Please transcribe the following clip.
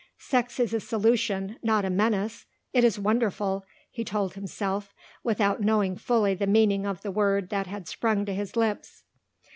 "Sex is a solution, not a menace it is wonderful," he told himself without knowing fully the meaning of the word that had sprung to his lips.